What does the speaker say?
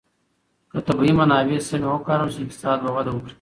که طبیعي منابع سمې وکارول شي، اقتصاد به وده وکړي.